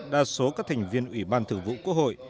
đa số các thành viên ủy ban thường vụ quốc hội